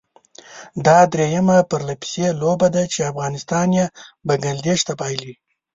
دا درېيمه پرلپسې لوبه ده چې افغانستان یې بنګله دېش ته بايلي.